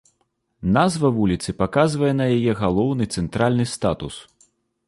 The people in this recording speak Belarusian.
Назва вуліцы паказвае на яе галоўны цэнтральны статус.